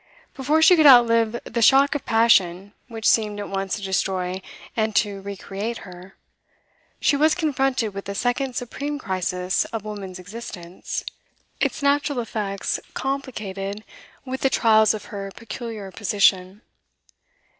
Before she could outlive the shock of passion which seemed at once to destroy and to re create her, she was confronted with the second supreme crisis of woman's existence, its natural effects complicated with the trials of her peculiar position.